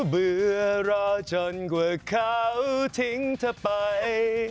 เบื่อรอจนกว่าเขาทิ้งเธอไป